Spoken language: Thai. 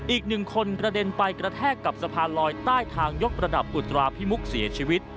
อีกหนึ่งคนกระเด็นไปกระแทกกับสะพานลอยใต้ทางยกระดับอุตราพิมุกเสียชีวิต